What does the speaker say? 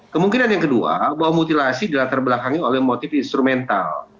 kemungkinan yang kedua bahwa mutilasi dilatar belakangi oleh motif instrumental